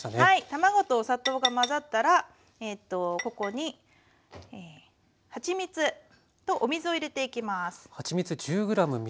卵とお砂糖が混ざったらここにはちみつとお水を入れていきます。